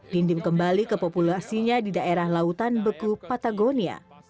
dindim kembali ke populasinya di daerah lautan beku patagonia